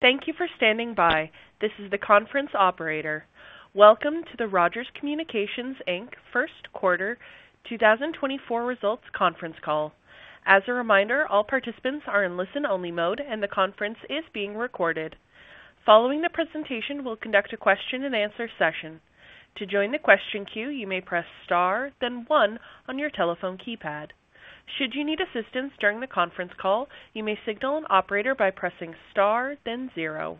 Thank you for standing by. This is the conference operator. Welcome to the Rogers Communications, Inc., first quarter 2024 results conference call. As a reminder, all participants are in listen-only mode and the conference is being recorded. Following the presentation, we'll conduct a question-and-answer session. To join the question queue, you may press star then one on your telephone keypad. Should you need assistance during the conference call, you may signal an operator by pressing star then zero.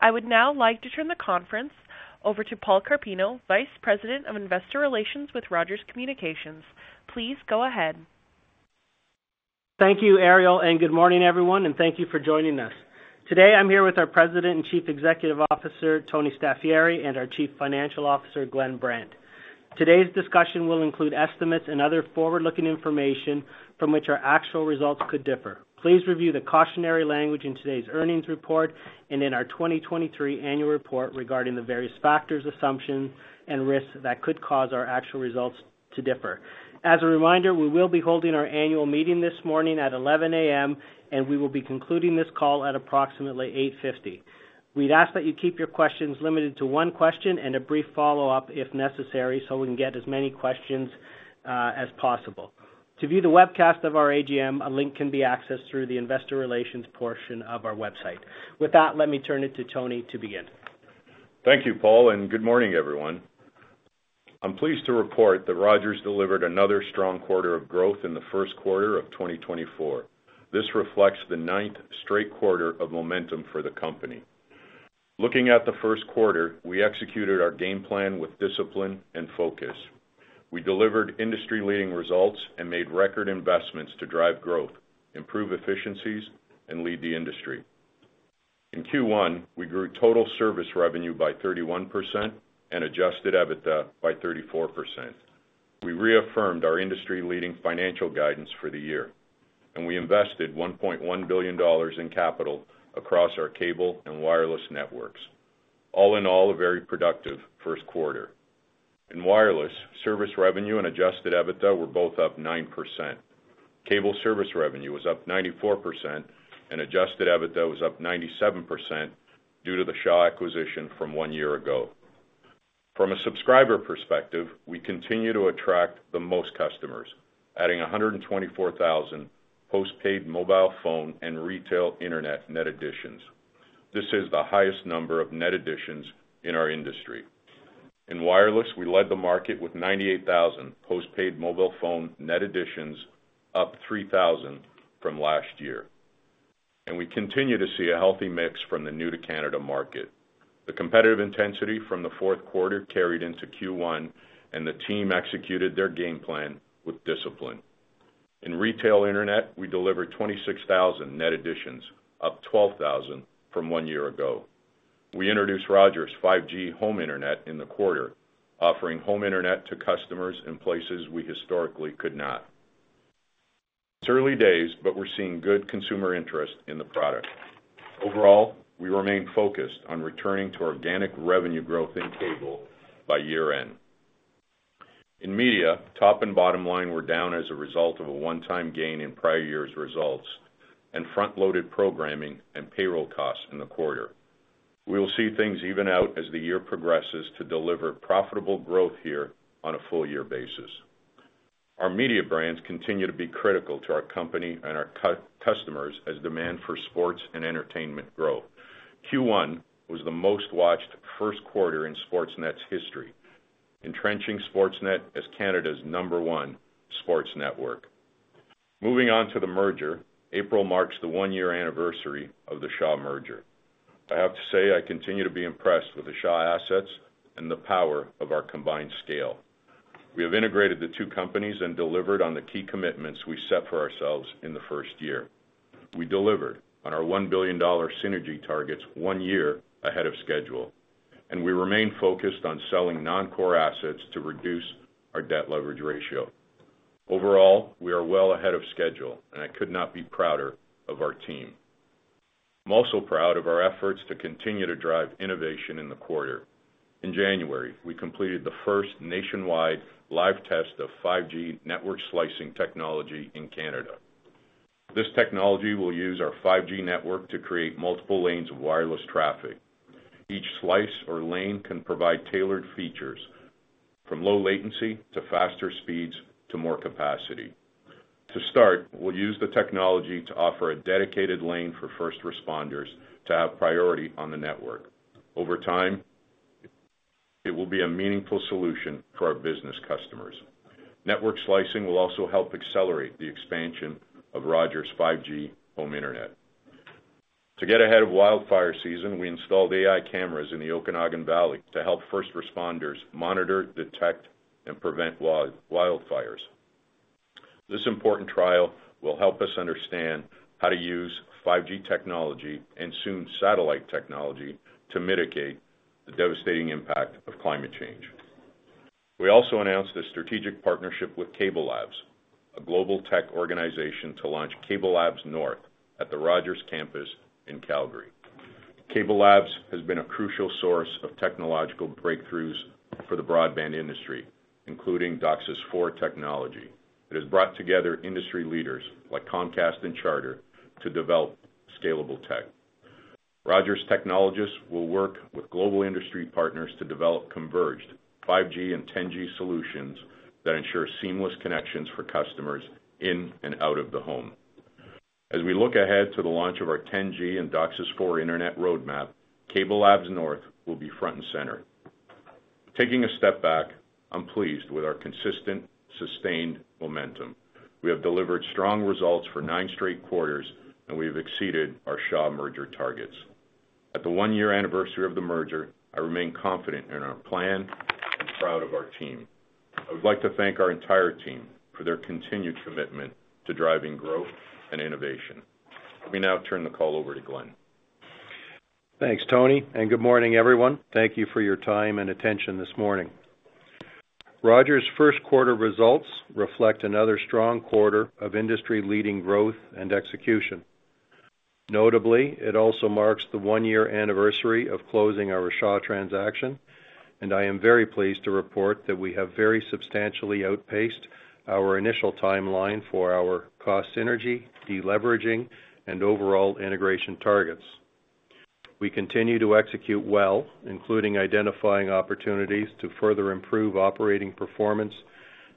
I would now like to turn the conference over to Paul Carpino, Vice President of Investor Relations with Rogers Communications. Please go ahead. Thank you, Ariel, and good morning, everyone, and thank you for joining us. Today I'm here with our President and Chief Executive Officer Tony Staffieri and our Chief Financial Officer Glenn Brandt. Today's discussion will include estimates and other forward-looking information from which our actual results could differ. Please review the cautionary language in today's earnings report and in our 2023 annual report regarding the various factors, assumptions, and risks that could cause our actual results to differ. As a reminder, we will be holding our annual meeting this morning at 11:00 A.M., and we will be concluding this call at approximately 8:50 A.M. We'd ask that you keep your questions limited to one question and a brief follow-up if necessary so we can get as many questions as possible. To view the webcast of our AGM, a link can be accessed through the Investor Relations portion of our website. With that, let me turn it to Tony to begin. Thank you, Paul, and good morning, everyone. I'm pleased to report that Rogers delivered another strong quarter of growth in the first quarter of 2024. This reflects the ninth straight quarter of momentum for the company. Looking at the first quarter, we executed our game plan with discipline and focus. We delivered industry-leading results and made record investments to drive growth, improve efficiencies, and lead the industry. In Q1, we grew total service revenue by 31% and adjusted EBITDA by 34%. We reaffirmed our industry-leading financial guidance for the year, and we invested 1.1 billion dollars in capital across our Cable and Wireless networks. All in all, a very productive first quarter. In Wireless, service revenue and adjusted EBITDA were both up 9%. Cable service revenue was up 94%, and adjusted EBITDA was up 97% due to the Shaw acquisition from one year ago. From a subscriber perspective, we continue to attract the most customers, adding 124,000 postpaid mobile phone and retail internet net additions. This is the highest number of net additions in our industry. In Wireless, we led the market with 98,000 postpaid mobile phone net additions, up 3,000 from last year. We continue to see a healthy mix from the new-to-Canada market. The competitive intensity from the fourth quarter carried into Q1, and the team executed their game plan with discipline. In retail internet, we delivered 26,000 net additions, up 12,000 from one year ago. We introduced Rogers' 5G Home Internet in the quarter, offering home internet to customers in places we historically could not. It's early days, but we're seeing good consumer interest in the product. Overall, we remain focused on returning to organic revenue growth in Cable by year-end. In Media, top and bottom line were down as a result of a one-time gain in prior year's results and front-loaded programming and payroll costs in the quarter. We will see things even out as the year progresses to deliver profitable growth here on a full-year basis. Our media brands continue to be critical to our company and our customers as demand for sports and entertainment grows. Q1 was the most-watched first quarter in Sportsnet's history, entrenching Sportsnet as Canada's number one sports network. Moving on to the merger, April marks the one-year anniversary of the Shaw merger. I have to say I continue to be impressed with the Shaw assets and the power of our combined scale. We have integrated the two companies and delivered on the key commitments we set for ourselves in the first year. We delivered on our 1 billion dollar synergy targets one year ahead of schedule, and we remain focused on selling non-core assets to reduce our debt leverage ratio. Overall, we are well ahead of schedule, and I could not be prouder of our team. I'm also proud of our efforts to continue to drive innovation in the quarter. In January, we completed the first nationwide live test of 5G network slicing technology in Canada. This technology will use our 5G network to create multiple lanes of wireless traffic. Each slice or lane can provide tailored features, from low latency to faster speeds to more capacity. To start, we'll use the technology to offer a dedicated lane for first responders to have priority on the network. Over time, it will be a meaningful solution for our business customers. Network slicing will also help accelerate the expansion of Rogers' 5G Home Internet. To get ahead of wildfire season, we installed AI cameras in the Okanagan Valley to help first responders monitor, detect, and prevent wildfires. This important trial will help us understand how to use 5G technology and soon satellite technology to mitigate the devastating impact of climate change. We also announced a strategic partnership with CableLabs, a global tech organization, to launch CableLabs North at the Rogers campus in Calgary. CableLabs has been a crucial source of technological breakthroughs for the broadband industry, including DOCSIS 4.0 technology. It has brought together industry leaders like Comcast and Charter to develop scalable tech. Rogers technologists will work with global industry partners to develop converged 5G and 10G solutions that ensure seamless connections for customers in and out of the home. As we look ahead to the launch of our 10G and DOCSIS 4.0 internet roadmap, CableLabs North will be front and center. Taking a step back, I'm pleased with our consistent, sustained momentum. We have delivered strong results for nine straight quarters, and we have exceeded our Shaw merger targets. At the one-year anniversary of the merger, I remain confident in our plan and proud of our team. I would like to thank our entire team for their continued commitment to driving growth and innovation. Let me now turn the call over to Glenn. Thanks, Tony, and good morning, everyone. Thank you for your time and attention this morning. Rogers' first quarter results reflect another strong quarter of industry-leading growth and execution. Notably, it also marks the one-year anniversary of closing our Shaw transaction, and I am very pleased to report that we have very substantially outpaced our initial timeline for our cost synergy, deleveraging, and overall integration targets. We continue to execute well, including identifying opportunities to further improve operating performance,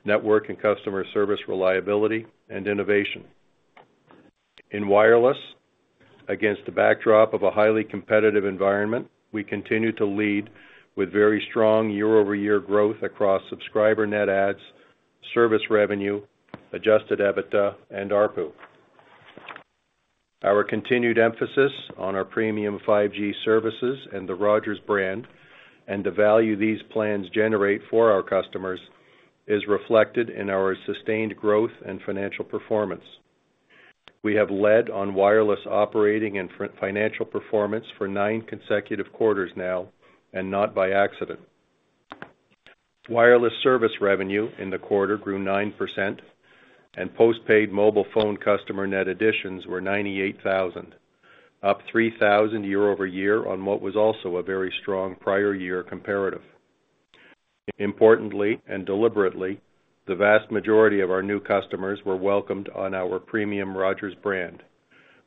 network and customer service reliability, and innovation. In Wireless, against the backdrop of a highly competitive environment, we continue to lead with very strong year-over-year growth across subscriber net adds, service revenue, adjusted EBITDA, and ARPU. Our continued emphasis on our premium 5G services and the Rogers brand and the value these plans generate for our customers is reflected in our sustained growth and financial performance. We have led on Wireless operating and financial performance for nine consecutive quarters now and not by accident. Wireless service revenue in the quarter grew 9%, and postpaid mobile phone customer net additions were 98,000, up 3,000 year-over-year on what was also a very strong prior-year comparative. Importantly and deliberately, the vast majority of our new customers were welcomed on our premium Rogers brand,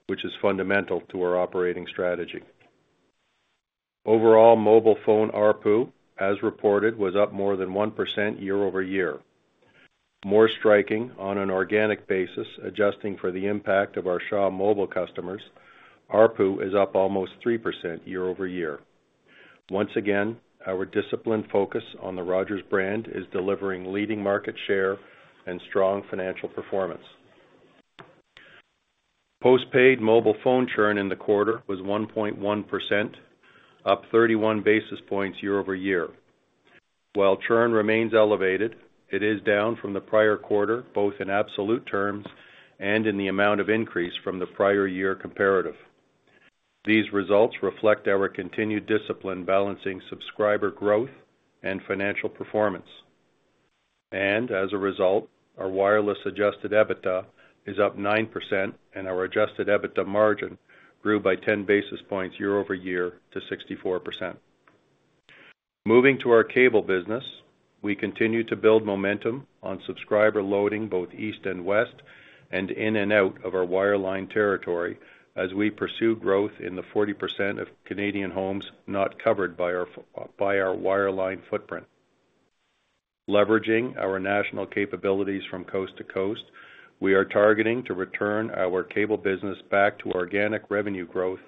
which is fundamental to our operating strategy. Overall, mobile phone ARPU, as reported, was up more than 1% year-over-year. More striking, on an organic basis, adjusting for the impact of our Shaw mobile customers, ARPU is up almost 3% year-over-year. Once again, our disciplined focus on the Rogers brand is delivering leading market share and strong financial performance. Postpaid mobile phone churn in the quarter was 1.1%, up 31 basis points year-over-year. While churn remains elevated, it is down from the prior quarter both in absolute terms and in the amount of increase from the prior-year comparative. These results reflect our continued discipline balancing subscriber growth and financial performance. As a result, our Wireless adjusted EBITDA is up 9%, and our adjusted EBITDA margin grew by 10 basis points year-over-year to 64%. Moving to our Cable business, we continue to build momentum on subscriber loading both east and west and in and out of our Wireline territory as we pursue growth in the 40% of Canadian homes not covered by our Wireline footprint. Leveraging our national capabilities from coast to coast, we are targeting to return our Cable business back to organic revenue growth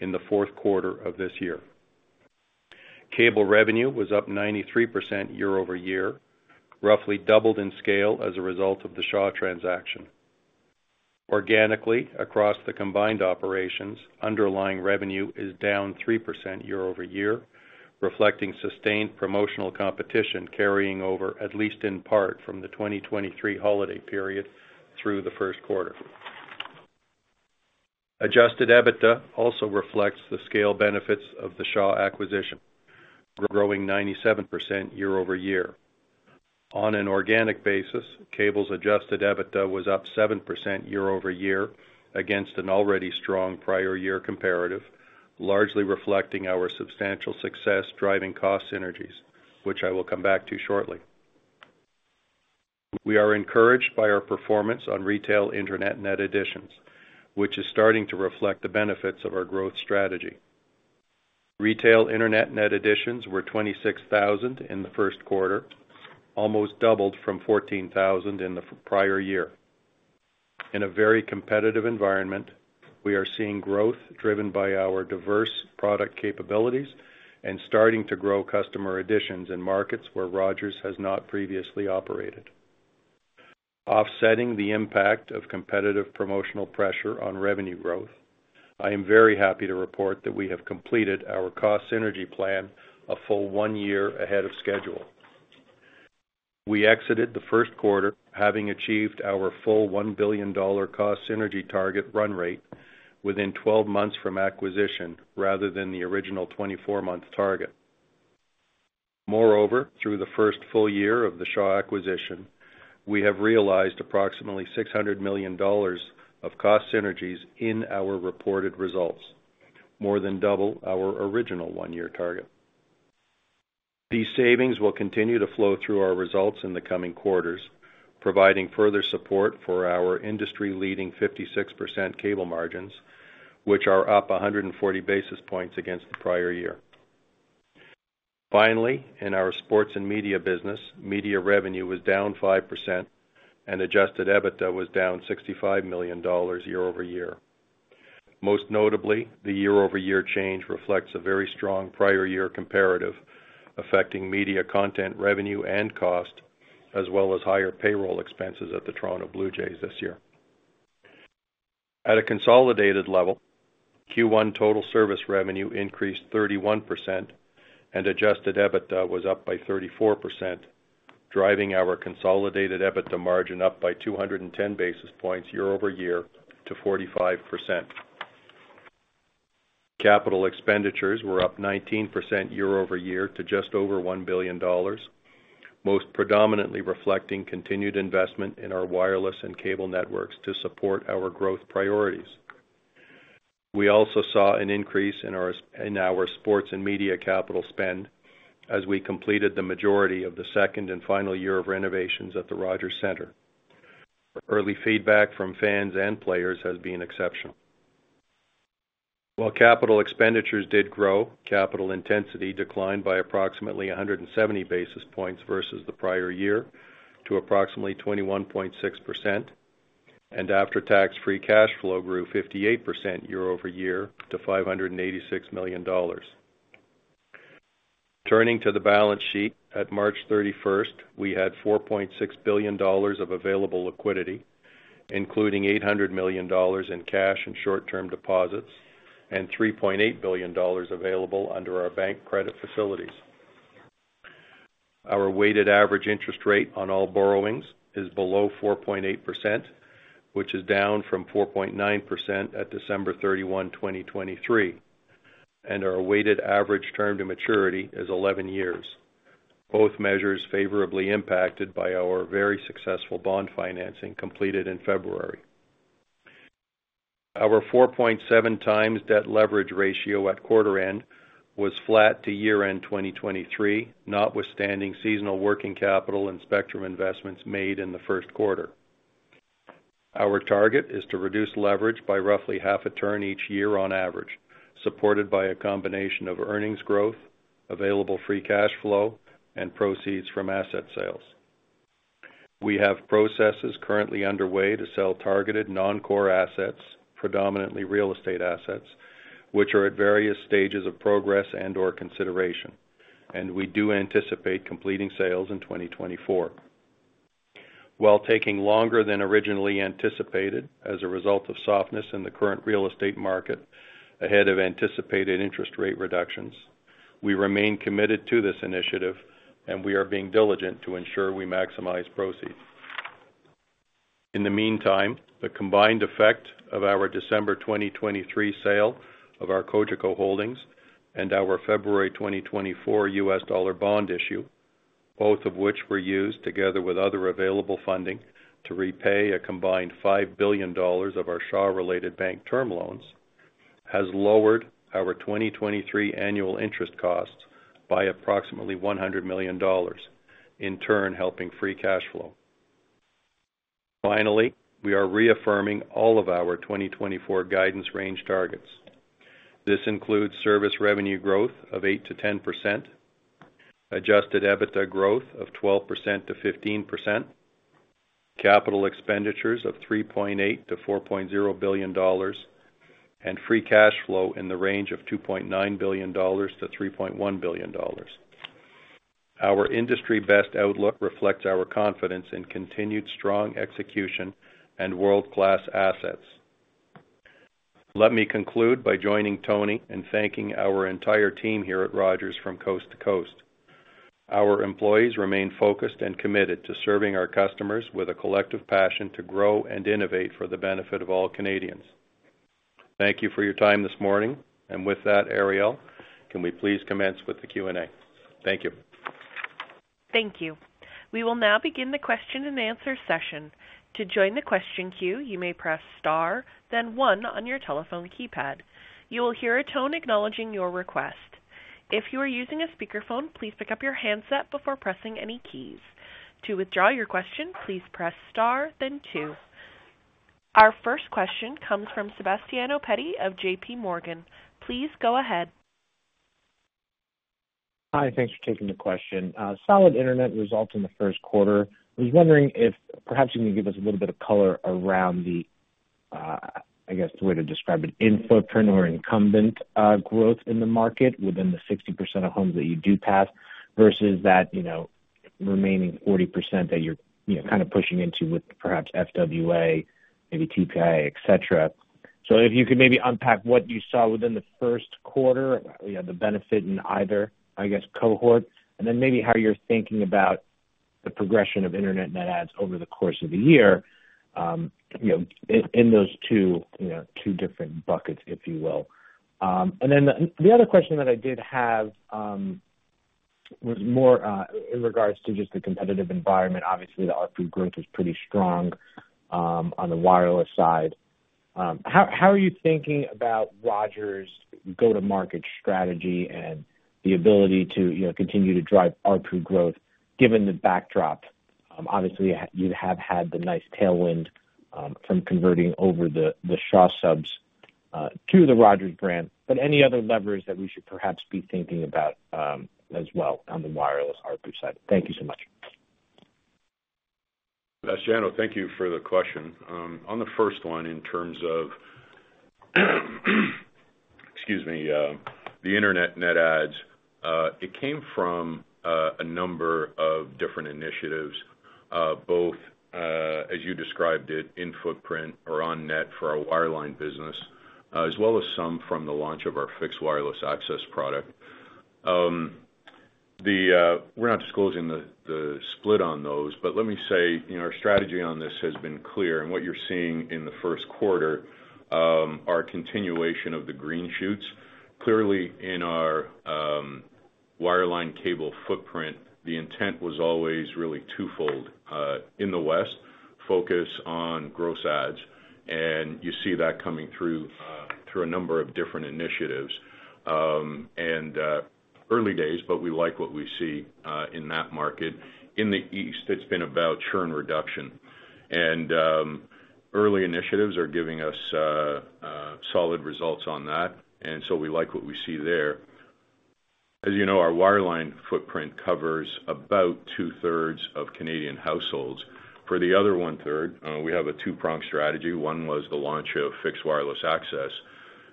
in the fourth quarter of this year. Cable revenue was up 93% year-over-year, roughly doubled in scale as a result of the Shaw transaction. Organically, across the combined operations, underlying revenue is down 3% year-over-year, reflecting sustained promotional competition carrying over, at least in part, from the 2023 holiday period through the first quarter. Adjusted EBITDA also reflects the scale benefits of the Shaw acquisition, growing 97% year-over-year. On an organic basis, Cable's adjusted EBITDA was up 7% year-over-year against an already strong prior-year comparative, largely reflecting our substantial success driving cost synergies, which I will come back to shortly. We are encouraged by our performance on retail internet net additions, which is starting to reflect the benefits of our growth strategy. Retail internet net additions were 26,000 in the first quarter, almost doubled from 14,000 in the prior year. In a very competitive environment, we are seeing growth driven by our diverse product capabilities and starting to grow customer additions in markets where Rogers has not previously operated. Offsetting the impact of competitive promotional pressure on revenue growth, I am very happy to report that we have completed our cost synergy plan a full one year ahead of schedule. We exited the first quarter having achieved our full 1 billion dollar cost synergy target run rate within 12 months from acquisition rather than the original 24-month target. Moreover, through the first full year of the Shaw acquisition, we have realized approximately 600 million dollars of cost synergies in our reported results, more than double our original 1-year target. These savings will continue to flow through our results in the coming quarters, providing further support for our industry-leading 56% cable margins, which are up 140 basis points against the prior year. Finally, in our sports and media business, media revenue was down 5%, and adjusted EBITDA was down 65 million dollars year-over-year. Most notably, the year-over-year change reflects a very strong prior-year comparative affecting media content revenue and cost, as well as higher payroll expenses at the Toronto Blue Jays this year. At a consolidated level, Q1 total service revenue increased 31%, and adjusted EBITDA was up by 34%, driving our consolidated EBITDA margin up by 210 basis points year-over-year to 45%. Capital expenditures were up 19% year-over-year to just over 1 billion dollars, most predominantly reflecting continued investment in our Wireless and Cable networks to support our growth priorities. We also saw an increase in our sports and media capital spend as we completed the majority of the second and final year of renovations at the Rogers Centre. Early feedback from fans and players has been exceptional. While capital expenditures did grow, capital intensity declined by approximately 170 basis points versus the prior year to approximately 21.6%, and after-tax-free cash flow grew 58% year-over-year to 586 million dollars. Turning to the balance sheet, at March 31st, we had 4.6 billion dollars of available liquidity, including 800 million dollars in cash and short-term deposits, and 3.8 billion dollars available under our bank credit facilities. Our weighted average interest rate on all borrowings is below 4.8%, which is down from 4.9% at December 31, 2023, and our weighted average term to maturity is 11 years, both measures favorably impacted by our very successful bond financing completed in February. Our 4.7x debt leverage ratio at quarter end was flat to year-end 2023, notwithstanding seasonal working capital and spectrum investments made in the first quarter. Our target is to reduce leverage by roughly half a turn each year on average, supported by a combination of earnings growth, available free cash flow, and proceeds from asset sales. We have processes currently underway to sell targeted non-core assets, predominantly real estate assets, which are at various stages of progress and/or consideration, and we do anticipate completing sales in 2024. While taking longer than originally anticipated as a result of softness in the current real estate market ahead of anticipated interest rate reductions, we remain committed to this initiative, and we are being diligent to ensure we maximize proceeds. In the meantime, the combined effect of our December 2023 sale of our Cogeco holdings and our February 2024 US dollar bond issue, both of which were used together with other available funding to repay a combined 5 billion dollars of our Shaw-related bank term loans, has lowered our 2023 annual interest costs by approximately 100 million dollars, in turn helping free cash flow. Finally, we are reaffirming all of our 2024 guidance range targets. This includes service revenue growth of 8%-10%, adjusted EBITDA growth of 12%-15%, capital expenditures of 3.8 billion-4.0 billion dollars, and free cash flow in the range of 2.9 billion-3.1 billion dollars. Our industry-best outlook reflects our confidence in continued strong execution and world-class assets. Let me conclude by joining Tony and thanking our entire team here at Rogers from coast to coast. Our employees remain focused and committed to serving our customers with a collective passion to grow and innovate for the benefit of all Canadians. Thank you for your time this morning, and with that, Ariel, can we please commence with the Q&A? Thank you. Thank you. We will now begin the question-and-answer session. To join the question queue, you may press star, then one on your telephone keypad. You will hear a tone acknowledging your request. If you are using a speakerphone, please pick up your handset before pressing any keys. To withdraw your question, please press star, then two. Our first question comes from Sebastiano Petti of JPMorgan. Please go ahead. Hi. Thanks for taking the question. Solid internet results in the first quarter. I was wondering if perhaps you can give us a little bit of color around the, I guess, the way to describe it, in footprint or incumbent growth in the market within the 60% of homes that you do pass versus that remaining 40% that you're kind of pushing into with perhaps FWA, maybe TPIA, etc. So if you could maybe unpack what you saw within the first quarter, the benefit in either, I guess, cohort, and then maybe how you're thinking about the progression of internet net ads over the course of the year in those two different buckets, if you will. And then the other question that I did have was more in regards to just the competitive environment. Obviously, the ARPU growth was pretty strong on the Wireless side. How are you thinking about Rogers' go-to-market strategy and the ability to continue to drive ARPU growth given the backdrop? Obviously, you have had the nice tailwind from converting over the Shaw subs to the Rogers brand, but any other levers that we should perhaps be thinking about as well on the Wireless ARPU side? Thank you so much. Sebastiano, thank you for the question. On the first one, in terms of, excuse me, the internet net adds, it came from a number of different initiatives, both as you described it, in footprint or on net for our Wireline business, as well as some from the launch of our fixed wireless access product. We're not disclosing the split on those, but let me say our strategy on this has been clear, and what you're seeing in the first quarter are a continuation of the green shoots. Clearly, in our wireline cable footprint, the intent was always really twofold. In the west, focus on gross adds, and you see that coming through a number of different initiatives. Early days, but we like what we see in that market. In the east, it's been about churn reduction. Early initiatives are giving us solid results on that, and so we like what we see there. As you know, our Wireline footprint covers about two-thirds of Canadian households. For the other one-third, we have a two-pronged strategy. One was the launch of fixed wireless access.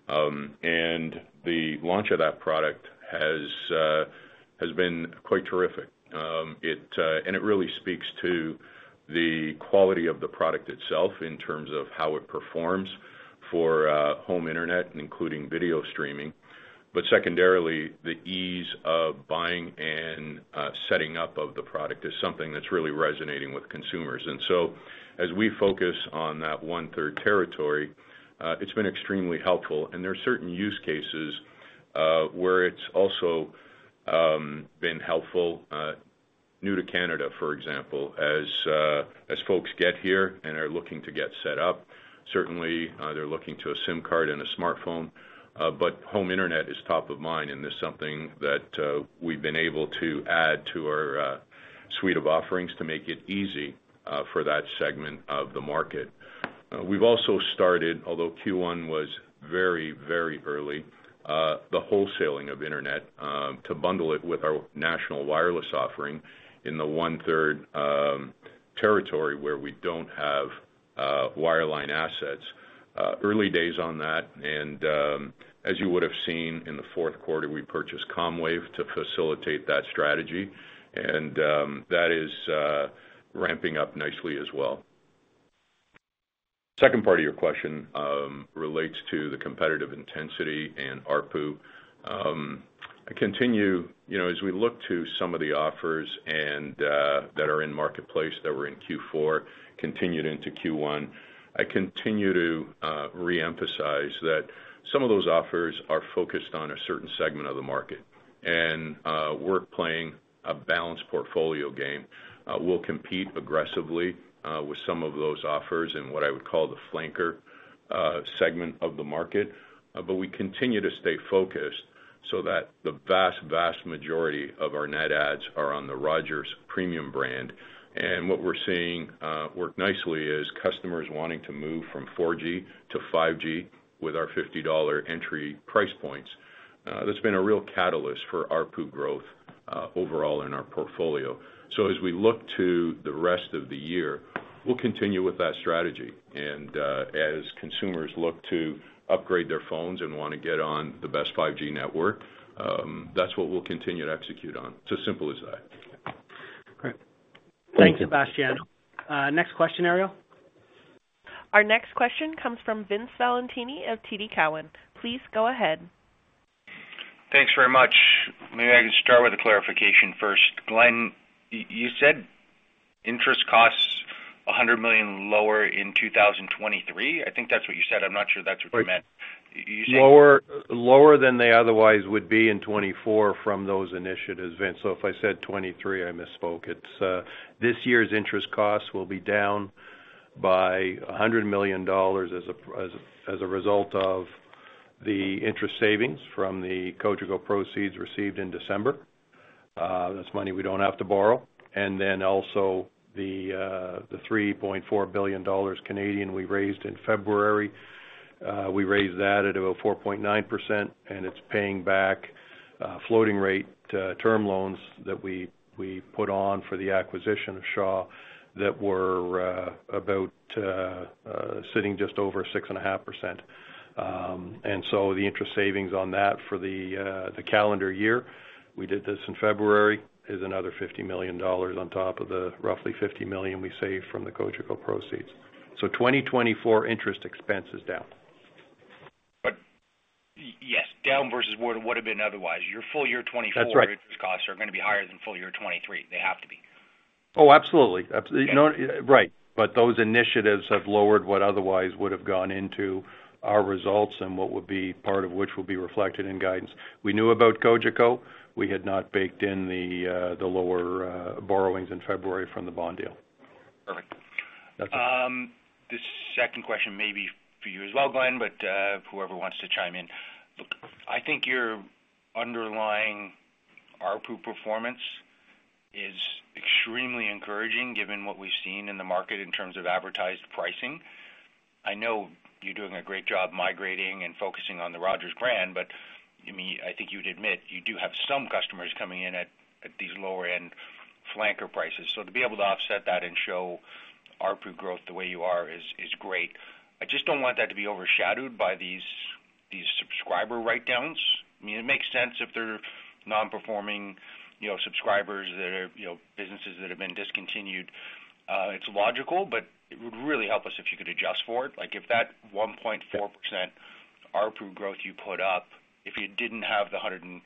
The launch of that product has been quite terrific. It really speaks to the quality of the product itself in terms of how it performs for home internet, including video streaming. But secondarily, the ease of buying and setting up of the product is something that's really resonating with consumers. So as we focus on that one-third territory, it's been extremely helpful. There are certain use cases where it's also been helpful. New to Canada, for example, as folks get here and are looking to get set up, certainly, they're looking to a SIM card and a smartphone. But home internet is top of mind, and this is something that we've been able to add to our suite of offerings to make it easy for that segment of the market. We've also started, although Q1 was very, very early, the wholesaling of internet to bundle it with our national wireless offering in the one-third territory where we don't have wireline assets. Early days on that, and as you would have seen in the fourth quarter, we purchased Comwave to facilitate that strategy, and that is ramping up nicely as well. Second part of your question relates to the competitive intensity and ARPU. As we look to some of the offers that are in marketplace that were in Q4, continued into Q1, I continue to reemphasize that some of those offers are focused on a certain segment of the market. And we're playing a balanced portfolio game. We'll compete aggressively with some of those offers in what I would call the flanker segment of the market, but we continue to stay focused so that the vast, vast majority of our net ads are on the Rogers premium brand. What we're seeing work nicely is customers wanting to move from 4G to 5G with our 50 dollar entry price points. That's been a real catalyst for ARPU growth overall in our portfolio. As we look to the rest of the year, we'll continue with that strategy. As consumers look to upgrade their phones and want to get on the best 5G network, that's what we'll continue to execute on. It's as simple as that. Great. Thanks, Sebastiano. Next question, Ariel. Our next question comes from Vince Valentini of TD Cowen. Please go ahead. Thanks very much. Maybe I can start with a clarification first. Glenn, you said interest costs 100 million lower in 2023. I think that's what you said. I'm not sure that's what you meant. You said - Lower than they otherwise would be in 2024 from those initiatives, Vince. So if I said 2023, I misspoke. This year's interest costs will be down by 100 million dollars as a result of the interest savings from the Cogeco proceeds received in December. That's money we don't have to borrow. And then also the 3.4 billion dollars Canadian we raised in February, we raised that at about 4.9%, and it's paying back floating-rate term loans that we put on for the acquisition of Shaw that were about sitting just over 6.5%. And so the interest savings on that for the calendar year, we did this in February, is another 50 million dollars on top of the roughly 50 million we saved from the Cogeco proceeds. So 2024 interest expense is down. But yes, down versus what it would have been otherwise. Your full year 2024 interest costs are going to be higher than full year 2023. They have to be. Oh, absolutely. Right. But those initiatives have lowered what otherwise would have gone into our results and what would be part of which will be reflected in guidance. We knew about Cogeco. We had not baked in the lower borrowings in February from the bond deal. Perfect. This second question may be for you as well, Glenn, but whoever wants to chime in. I think your underlying ARPU performance is extremely encouraging given what we've seen in the market in terms of advertised pricing. I know you're doing a great job migrating and focusing on the Rogers brand, but I think you'd admit you do have some customers coming in at these lower-end flanker prices. So to be able to offset that and show ARPU growth the way you are is great. I just don't want that to be overshadowed by these subscriber write-downs. I mean, it makes sense if they're non-performing subscribers that are businesses that have been discontinued. It's logical, but it would really help us if you could adjust for it. If that 1.4% ARPU growth you put up, if you didn't have the 166,000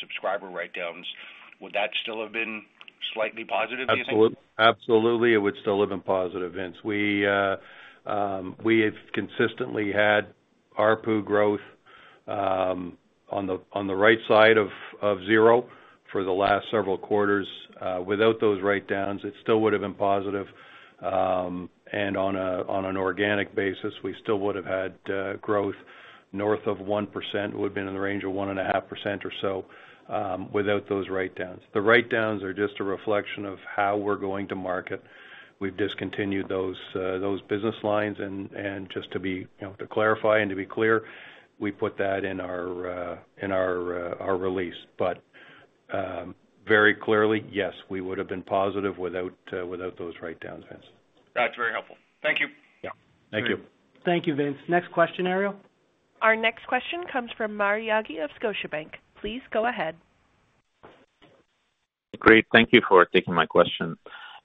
subscriber write-downs, would that still have been slightly positive, do you think? Absolutely. It would still have been positive, Vince. We have consistently had ARPU growth on the right side of zero for the last several quarters. Without those write-downs, it still would have been positive. And on an organic basis, we still would have had growth north of 1%. It would have been in the range of 1.5% or so without those write-downs. The write-downs are just a reflection of how we're going to market. We've discontinued those business lines. And just to clarify and to be clear, we put that in our release. But very clearly, yes, we would have been positive without those write-downs, Vince. That's very helpful. Thank you. Yeah. Thank you. Thank you, Vince. Next question, Ariel. Our next question comes from Maher Yaghi of Scotiabank. Please go ahead. Great. Thank you for taking my question.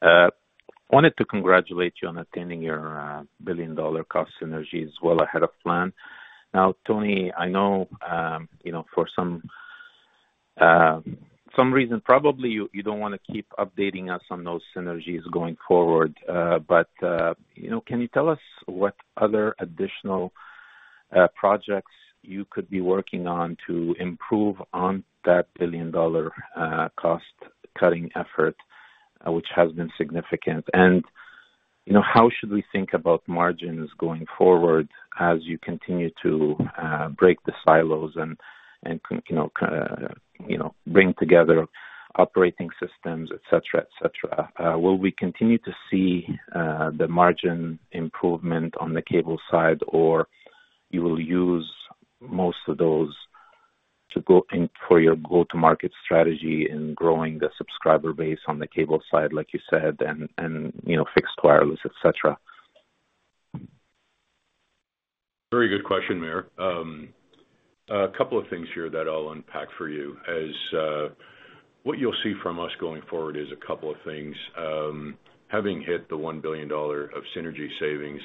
Wanted to congratulate you on attaining your billion-dollar cost synergy as well ahead of plan. Now, Tony, I know for some reason, probably, you don't want to keep updating us on those synergies going forward, but can you tell us what other additional projects you could be working on to improve on that billion-dollar cost-cutting effort, which has been significant? And how should we think about margins going forward as you continue to break the silos and bring together operating systems, etc., etc.? Will we continue to see the margin improvement on the Cable side, or you will use most of those for your go-to-market strategy in growing the subscriber base on the Cable side, like you said, and fixed wireless, etc.? Very good question, Maher. A couple of things here that I'll unpack for you. What you'll see from us going forward is a couple of things. Having hit the 1 billion dollar of synergy savings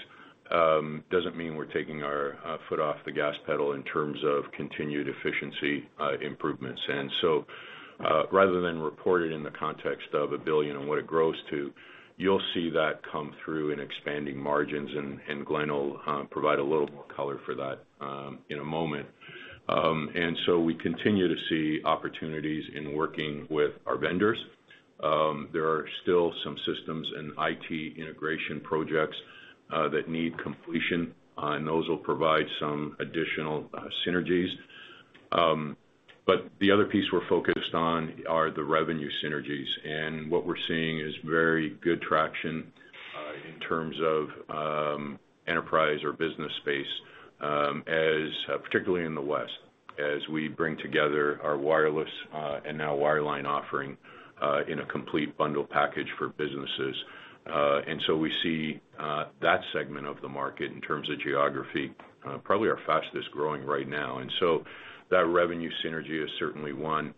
doesn't mean we're taking our foot off the gas pedal in terms of continued efficiency improvements. And so rather than report it in the context of 1 billion and what it grows to, you'll see that come through in expanding margins, and Glenn will provide a little more color for that in a moment. And so we continue to see opportunities in working with our vendors. There are still some systems and IT integration projects that need completion, and those will provide some additional synergies. But the other piece we're focused on are the revenue synergies. What we're seeing is very good traction in terms of enterprise or business space, particularly in the west, as we bring together our wireless and now wireline offering in a complete bundle package for businesses. So we see that segment of the market in terms of geography probably our fastest growing right now. So that revenue synergy is certainly one.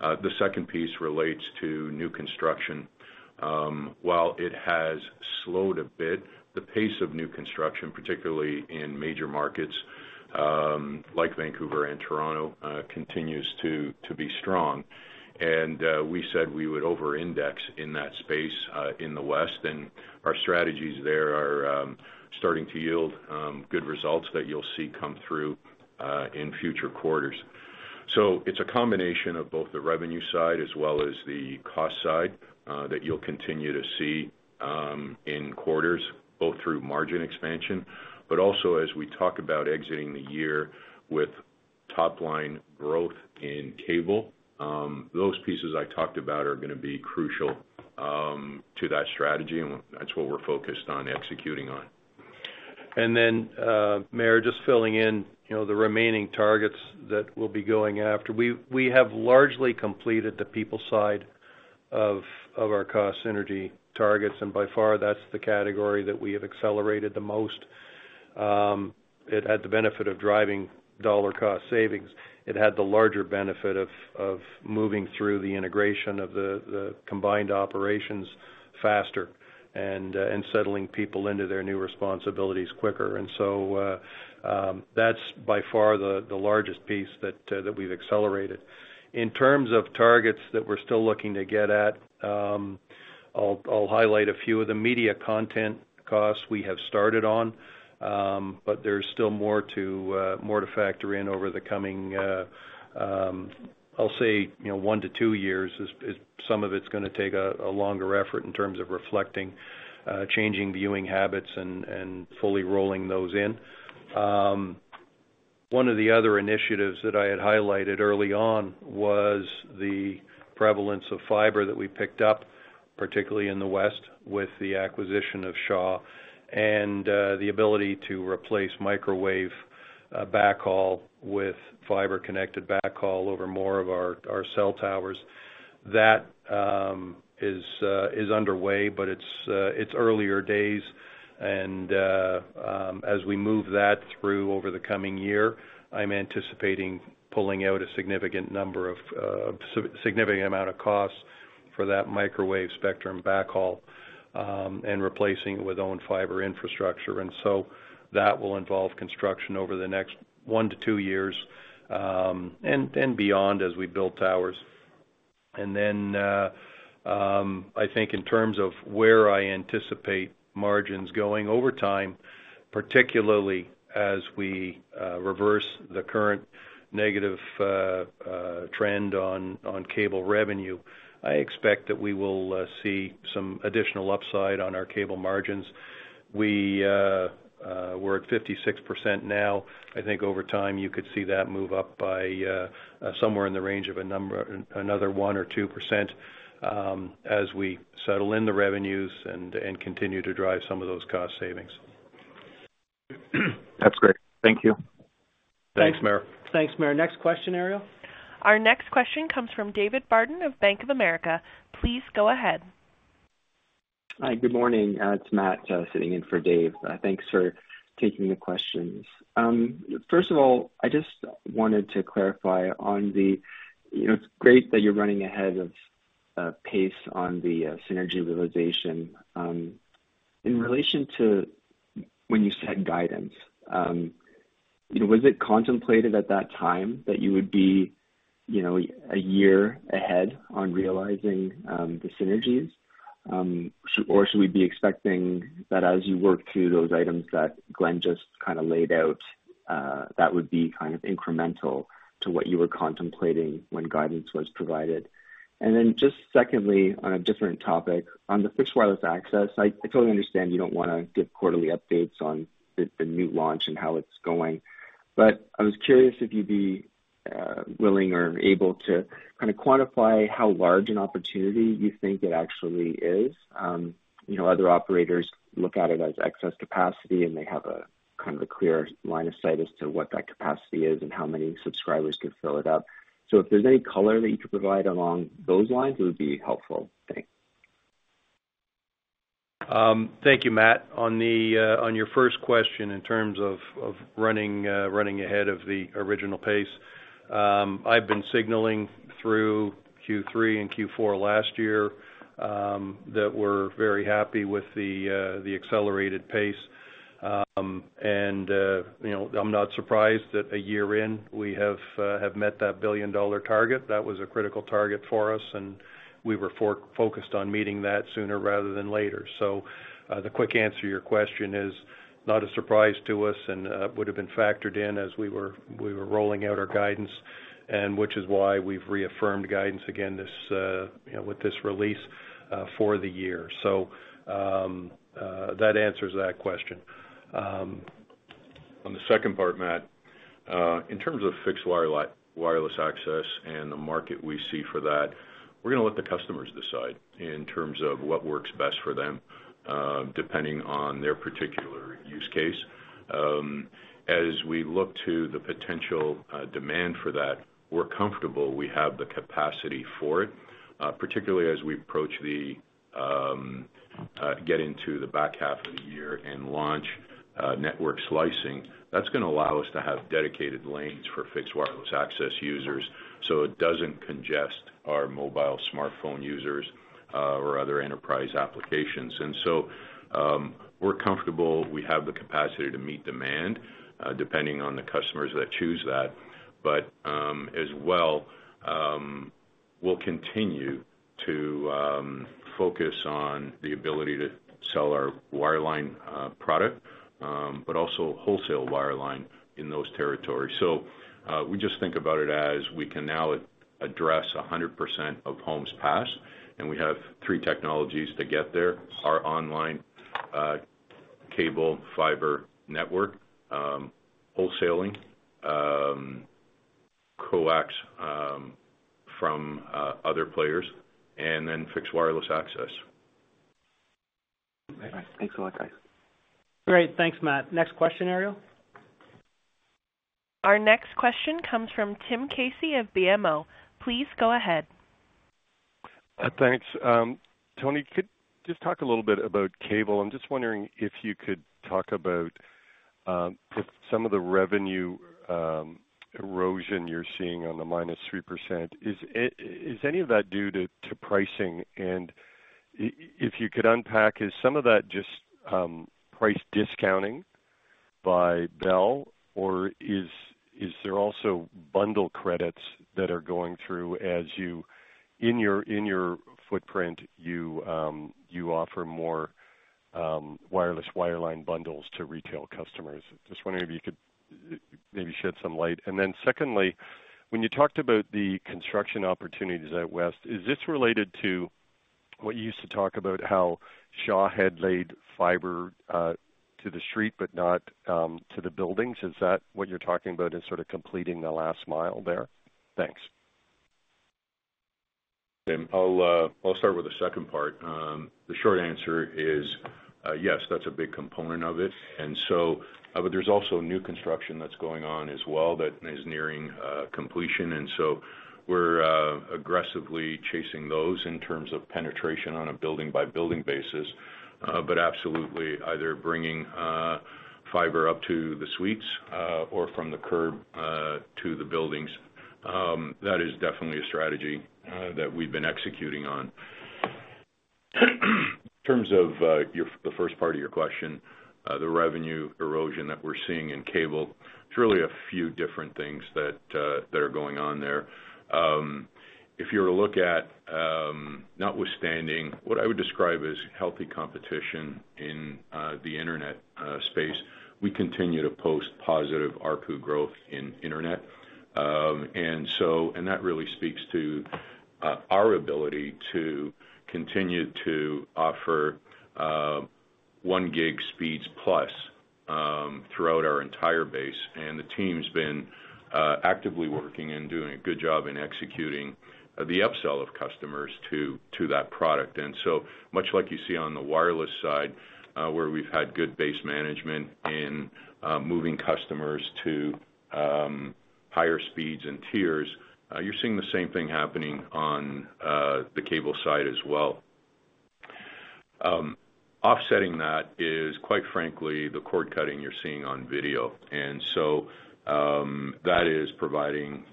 The second piece relates to new construction. While it has slowed a bit, the pace of new construction, particularly in major markets like Vancouver and Toronto, continues to be strong. We said we would over-index in that space in the west, and our strategies there are starting to yield good results that you'll see come through in future quarters. It's a combination of both the revenue side as well as the cost side that you'll continue to see in quarters, both through margin expansion, but also as we talk about exiting the year with top-line growth in Cable. Those pieces I talked about are going to be crucial to that strategy, and that's what we're focused on executing on. And then, Maher, just filling in, the remaining targets that we'll be going after. We have largely completed the people side of our cost synergy targets, and by far, that's the category that we have accelerated the most. It had the benefit of driving dollar-cost savings. It had the larger benefit of moving through the integration of the combined operations faster and settling people into their new responsibilities quicker. And so that's by far the largest piece that we've accelerated. In terms of targets that we're still looking to get at, I'll highlight a few of the media content costs we have started on, but there's still more to factor in over the coming, I'll say, one to two years. Some of it's going to take a longer effort in terms of reflecting, changing viewing habits, and fully rolling those in. One of the other initiatives that I had highlighted early on was the prevalence of fiber that we picked up, particularly in the west, with the acquisition of Shaw and the ability to replace microwave backhaul with fiber-connected backhaul over more of our cell towers. That is underway, but it's earlier days. As we move that through over the coming year, I'm anticipating pulling out a significant number of significant amount of costs for that microwave spectrum backhaul and replacing it with own fiber infrastructure. So that will involve construction over the next one to two years and beyond as we build towers. Then I think in terms of where I anticipate margins going over time, particularly as we reverse the current negative trend on Cable revenue, I expect that we will see some additional upside on our Cable margins. We're at 56% now. I think over time, you could see that move up by somewhere in the range of another 1%-2% as we settle in the revenues and continue to drive some of those cost savings. That's great. Thank you. Thanks, Maher. Thanks, Maher. Next question, Ariel. Our next question comes from David Barden of Bank of America. Please go ahead. Hi. Good morning. It's Matt sitting in for Dave. Thanks for taking the questions. First of all, I just wanted to clarify on the it's great that you're running ahead of pace on the synergy realization. In relation to when you said guidance, was it contemplated at that time that you would be a year ahead on realizing the synergies, or should we be expecting that as you work through those items that Glenn just kind of laid out, that would be kind of incremental to what you were contemplating when guidance was provided? And then just secondly, on a different topic, on the fixed wireless access, I totally understand you don't want to give quarterly updates on the new launch and how it's going, but I was curious if you'd be willing or able to kind of quantify how large an opportunity you think it actually is. Other operators look at it as excess capacity, and they have kind of a clear line of sight as to what that capacity is and how many subscribers could fill it up. So if there's any color that you could provide along those lines, it would be helpful. Thanks. Thank you, Matt. On your first question in terms of running ahead of the original pace, I've been signaling through Q3 and Q4 last year that we're very happy with the accelerated pace. I'm not surprised that a year in, we have met that billion-dollar target. That was a critical target for us, and we were focused on meeting that sooner rather than later. The quick answer to your question is not a surprise to us and would have been factored in as we were rolling out our guidance, which is why we've reaffirmed guidance again with this release for the year. That answers that question. On the second part, Matt, in terms of fixed wireless access and the market we see for that, we're going to let the customers decide in terms of what works best for them depending on their particular use case. As we look to the potential demand for that, we're comfortable we have the capacity for it, particularly as we approach and get into the back half of the year and launch network slicing. That's going to allow us to have dedicated lanes for fixed wireless access users so it doesn't congest our mobile smartphone users or other enterprise applications. And so we're comfortable we have the capacity to meet demand depending on the customers that choose that. But as well, we'll continue to focus on the ability to sell our wireline product but also wholesale wireline in those territories. We just think about it as we can now address 100% of homes passed, and we have three technologies to get there: our own cable fiber network, wholesaling coax from other players, and then fixed wireless access. All right. Thanks a lot, guys. Great. Thanks, Matt. Next question, Ariel. Our next question comes from Tim Casey of BMO. Please go ahead. Thanks. Tony, could just talk a little bit about Cable? I'm just wondering if you could talk about some of the revenue erosion you're seeing on the -3%. Is any of that due to pricing? And if you could unpack, is some of that just price discounting by Bell, or is there also bundle credits that are going through as you in your footprint, you offer more wireless wireline bundles to retail customers? Just wondering if you could maybe shed some light. And then secondly, when you talked about the construction opportunities out west, is this related to what you used to talk about how Shaw had laid fiber to the street but not to the buildings? Is that what you're talking about as sort of completing the last mile there? Thanks. Tim, I'll start with the second part. The short answer is yes, that's a big component of it. But there's also new construction that's going on as well that is nearing completion. And so we're aggressively chasing those in terms of penetration on a building-by-building basis. But absolutely, either bringing fiber up to the suites or from the curb to the buildings, that is definitely a strategy that we've been executing on. In terms of the first part of your question, the revenue erosion that we're seeing in Cable, it's really a few different things that are going on there. If you were to look at notwithstanding what I would describe as healthy competition in the internet space, we continue to post positive ARPU growth in internet. And that really speaks to our ability to continue to offer 1 GB speeds plus throughout our entire base. The team's been actively working and doing a good job in executing the upsell of customers to that product. And so much like you see on the wireless side where we've had good base management in moving customers to higher speeds and tiers, you're seeing the same thing happening on the Cable side as well. Offsetting that is, quite frankly, the cord cutting you're seeing on video. And so that is providing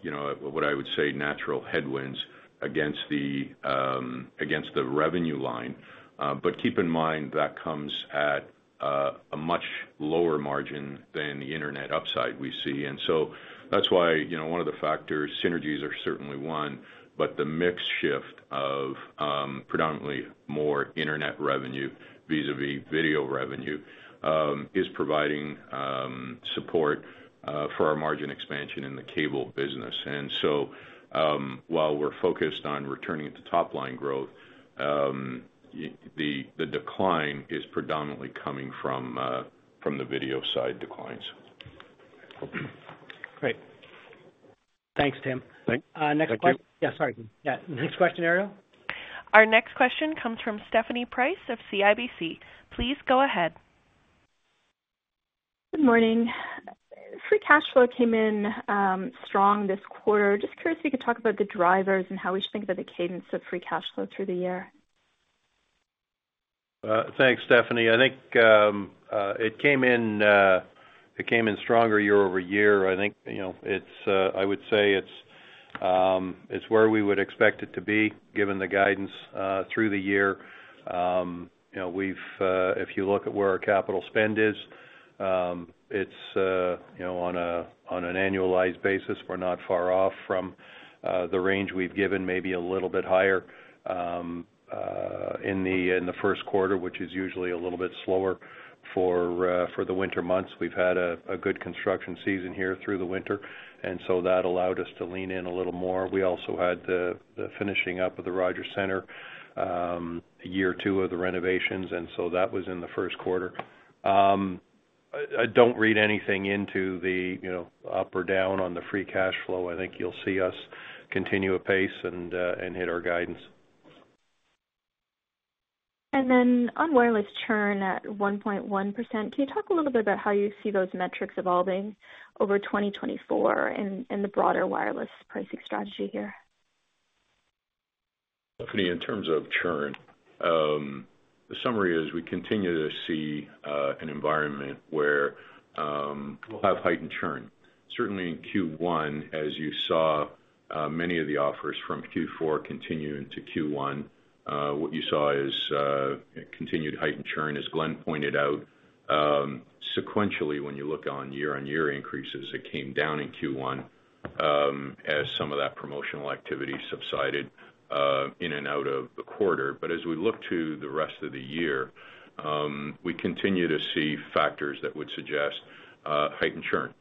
what I would say natural headwinds against the revenue line. But keep in mind that comes at a much lower margin than the internet upside we see. And so that's why one of the factors, synergies are certainly one, but the mix shift of predominantly more internet revenue vis-à-vis video revenue is providing support for our margin expansion in the Cable business. So while we're focused on returning to top-line growth, the decline is predominantly coming from the video side declines. Great. Thanks, Tim. Thank you. Next question. Yeah. Sorry. Yeah. Next question, Ariel. Our next question comes from Stephanie Price of CIBC. Please go ahead. Good morning. Free cash flow came in strong this quarter. Just curious if you could talk about the drivers and how we should think about the cadence of free cash flow through the year. Thanks, Stephanie. I think it came in stronger year-over-year. I think I would say it's where we would expect it to be given the guidance through the year. If you look at where our capital spend is, it's on an annualized basis. We're not far off from the range we've given, maybe a little bit higher in the first quarter, which is usually a little bit slower for the winter months. We've had a good construction season here through the winter, and so that allowed us to lean in a little more. We also had the finishing up of the Rogers Centre, year two of the renovations, and so that was in the first quarter. I don't read anything into the up or down on the free cash flow. I think you'll see us continue a pace and hit our guidance. Then on wireless churn at 1.1%, can you talk a little bit about how you see those metrics evolving over 2024 and the broader wireless pricing strategy here? Stephanie, in terms of churn, the summary is we continue to see an environment where we'll have heightened churn. Certainly in Q1, as you saw many of the offers from Q4 continue into Q1, what you saw is continued heightened churn, as Glenn pointed out. Sequentially, when you look on year-on-year increases, it came down in Q1 as some of that promotional activity subsided in and out of the quarter. But as we look to the rest of the year, we continue to see factors that would suggest heightened churn.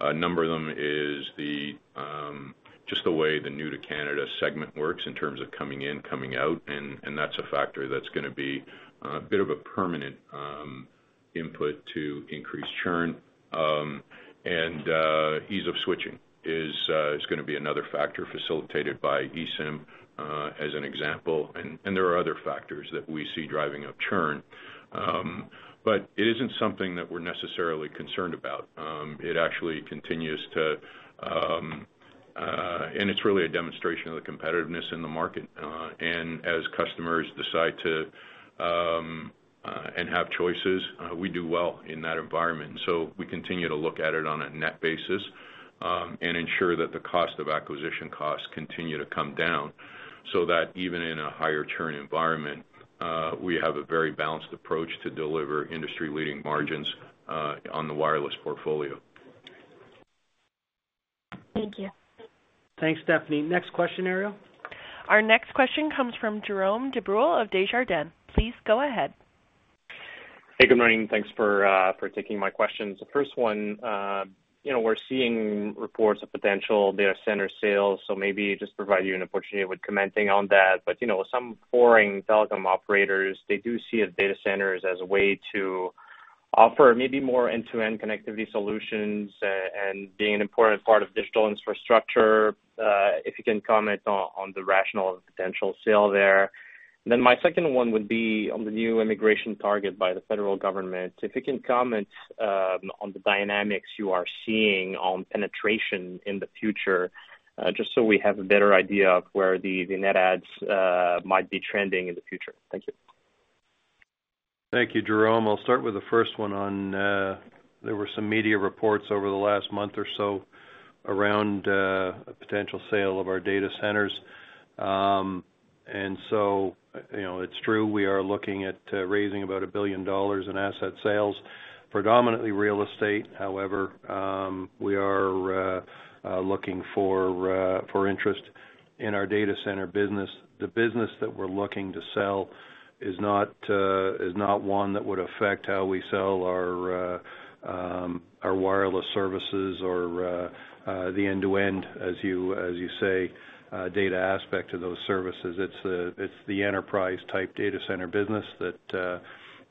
A number of them is just the way the new-to-Canada segment works in terms of coming in, coming out, and that's a factor that's going to be a bit of a permanent input to increase churn. And ease of switching is going to be another factor facilitated by eSIM as an example. There are other factors that we see driving up churn, but it isn't something that we're necessarily concerned about. It actually continues to and it's really a demonstration of the competitiveness in the market. As customers decide to and have choices, we do well in that environment. We continue to look at it on a net basis and ensure that the cost of acquisition costs continue to come down so that even in a higher churn environment, we have a very balanced approach to deliver industry-leading margins on the Wireless portfolio. Thank you. Thanks, Stephanie. Next question, Ariel. Our next question comes from Jérome Dubreuil of Desjardins. Please go ahead. Hey. Good morning. Thanks for taking my questions. The first one, we're seeing reports of potential data center sales, so maybe just provide you an opportunity with commenting on that. But with some foreign telecom operators, they do see data centers as a way to offer maybe more end-to-end connectivity solutions and being an important part of digital infrastructure. If you can comment on the rationale of a potential sale there. And then my second one would be on the new immigration target by the federal government. If you can comment on the dynamics you are seeing on penetration in the future, just so we have a better idea of where the net adds might be trending in the future. Thank you. Thank you, Jérome. I'll start with the first one on there were some media reports over the last month or so around a potential sale of our data centers. So it's true, we are looking at raising about 1 billion dollars in asset sales, predominantly real estate. However, we are looking for interest in our data center business. The business that we're looking to sell is not one that would affect how we sell our Wireless services or the end-to-end, as you say, data aspect of those services. It's the enterprise-type data center business that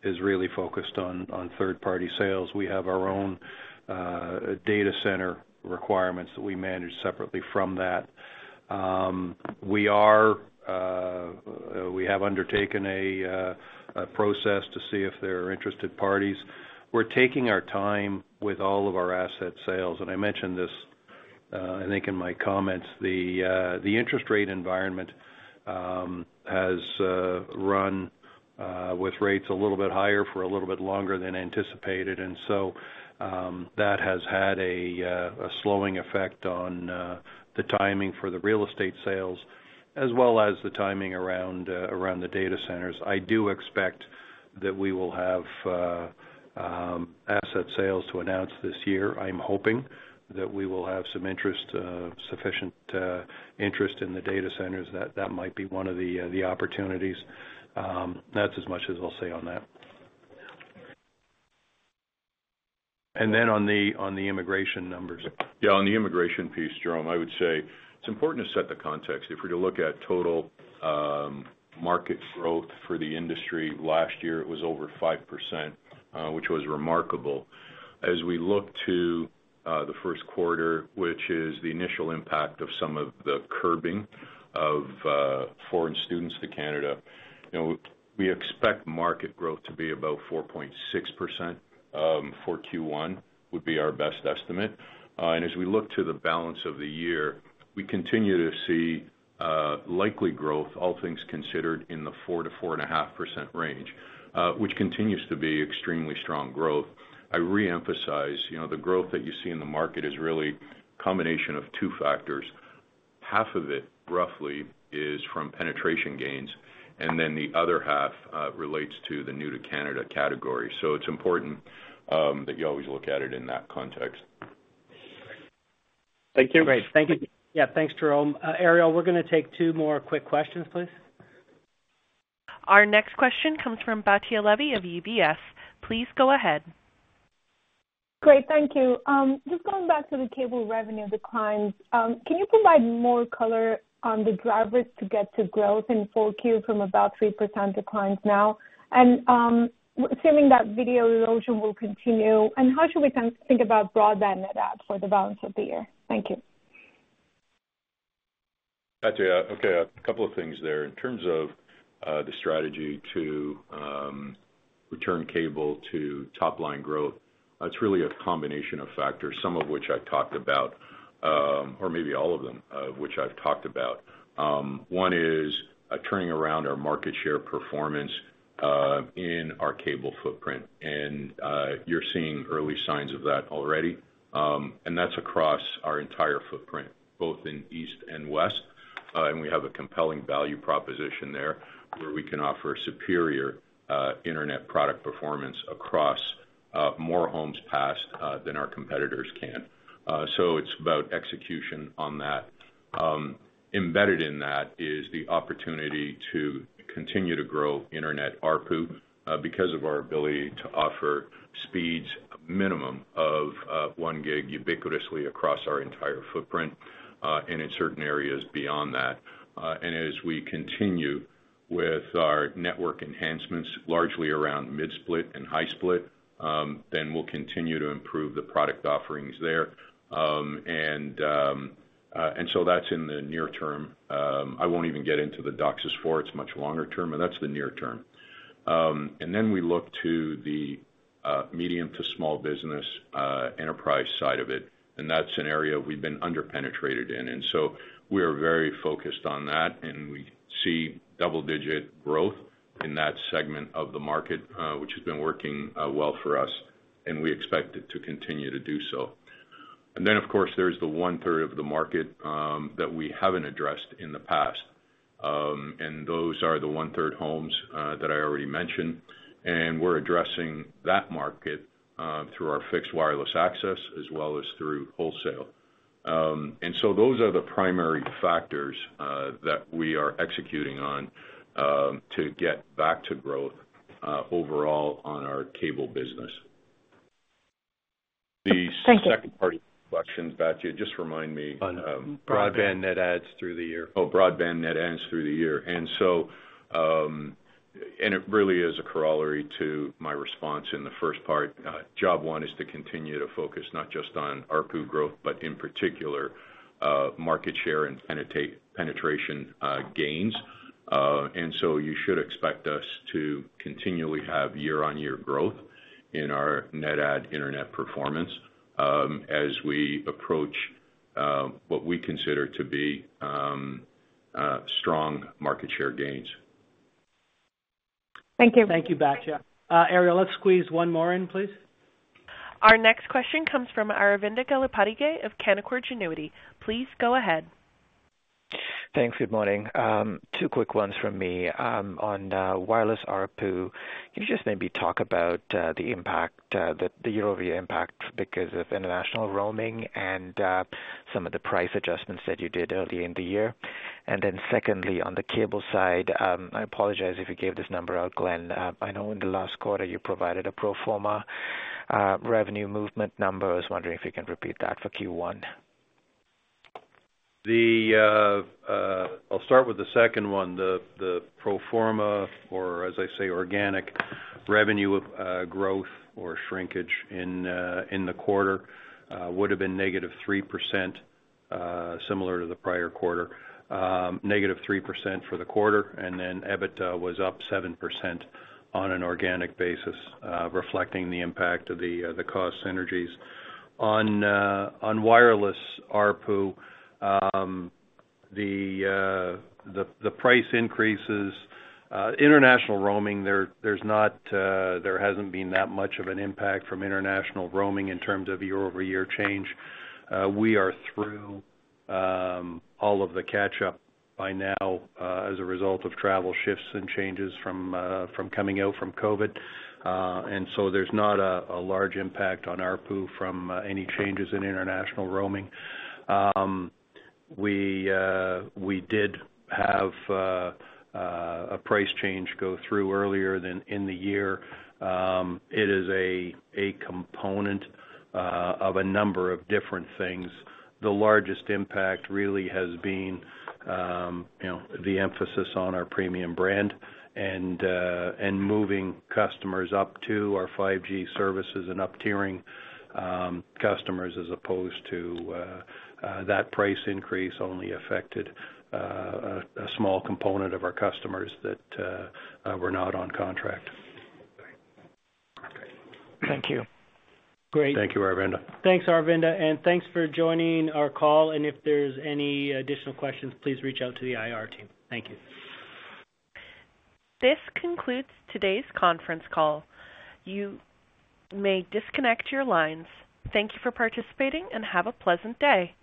is really focused on third-party sales. We have our own data center requirements that we manage separately from that. We have undertaken a process to see if there are interested parties. We're taking our time with all of our asset sales. I mentioned this, I think, in my comments. The interest rate environment has run with rates a little bit higher for a little bit longer than anticipated, and so that has had a slowing effect on the timing for the real estate sales as well as the timing around the data centers. I do expect that we will have asset sales to announce this year. I'm hoping that we will have some sufficient interest in the data centers. That might be one of the opportunities. That's as much as I'll say on that. And then on the immigration numbers. Yeah. On the immigration piece, Jerome, I would say it's important to set the context. If we were to look at total market growth for the industry last year, it was over 5%, which was remarkable. As we look to the first quarter, which is the initial impact of some of the curbing of foreign students to Canada, we expect market growth to be about 4.6% for Q1, which would be our best estimate. And as we look to the balance of the year, we continue to see likely growth, all things considered, in the 4%-4.5% range, which continues to be extremely strong growth. I reemphasize, the growth that you see in the market is really a combination of two factors. Half of it, roughly, is from penetration gains, and then the other half relates to the new-to-Canada category. It's important that you always look at it in that context. Thank you. Great. Thank you. Yeah. Thanks, Jérome. Ariel, we're going to take two more quick questions, please. Our next question comes from Batya Levi of UBS. Please go ahead. Great. Thank you. Just going back to the Cable revenue declines, can you provide more color on the drivers to get to growth in 4Q from about 3% declines now? And assuming that video erosion will continue, how should we think about broadband net ads for the balance of the year? Thank you. Okay. A couple of things there. In terms of the strategy to return Cable to top-line growth, it's really a combination of factors, some of which I've talked about or maybe all of them of which I've talked about. One is turning around our market share performance in our cable footprint. You're seeing early signs of that already. That's across our entire footprint, both in east and west. We have a compelling value proposition there where we can offer superior internet product performance across more homes passed than our competitors can. It's about execution on that. Embedded in that is the opportunity to continue to grow internet ARPU because of our ability to offer speeds, a minimum of 1 gig ubiquitously across our entire footprint and in certain areas beyond that. As we continue with our network enhancements, largely around mid-split and high-split, then we'll continue to improve the product offerings there. So that's in the near term. I won't even get into the DOCSIS 4.0. It's much longer term, and that's the near term. Then we look to the medium to small business enterprise side of it, and that's an area we've been underpenetrated in. So we are very focused on that, and we see double-digit growth in that segment of the market, which has been working well for us, and we expect it to continue to do so. Then, of course, there's the one-third of the market that we haven't addressed in the past. And those are the one-third homes that I already mentioned. And we're addressing that market through our fixed wireless access as well as through wholesale. Those are the primary factors that we are executing on to get back to growth overall on our Cable business. The second part of the questions, Batya, just remind me. On broadband net adds through the year. Oh, broadband net adds through the year. And it really is a corollary to my response in the first part. Job one is to continue to focus not just on ARPU growth but, in particular, market share and penetration gains. And so you should expect us to continually have year-on-year growth in our net add internet performance as we approach what we consider to be strong market share gains. Thank you. Thank you, Batya. Ariel, let's squeeze one more in, please. Our next question comes from Aravinda Galappatthige of Canaccord Genuity. Please go ahead. Thanks. Good morning. Two quick ones from me on Wireless ARPU. Can you just maybe talk about the year-over-year impact because of international roaming and some of the price adjustments that you did earlier in the year? And then secondly, on the Cable side, I apologize if you gave this number out, Glenn. I know in the last quarter, you provided a pro forma revenue movement number. I was wondering if you can repeat that for Q1. I'll start with the second one. The pro forma or, as I say, organic revenue growth or shrinkage in the quarter would have been negative 3% similar to the prior quarter, negative 3% for the quarter. And then EBITDA was up 7% on an organic basis, reflecting the impact of the cost synergies. On wireless ARPU, the price increases international roaming, there hasn't been that much of an impact from international roaming in terms of year-over-year change. We are through all of the catch-up by now as a result of travel shifts and changes from coming out from COVID. And so there's not a large impact on ARPU from any changes in international roaming. We did have a price change go through earlier than in the year. It is a component of a number of different things. The largest impact really has been the emphasis on our premium brand and moving customers up to our 5G services and up-tiering customers, as opposed to that price increase only affected a small component of our customers that were not on contract. Thank you. Great. Thank you, Aravinda. Thanks, Aravinda. Thanks for joining our call. If there's any additional questions, please reach out to the IR team. Thank you. This concludes today's conference call. You may disconnect your lines. Thank you for participating, and have a pleasant day.